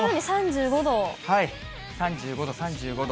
３５度、３５度。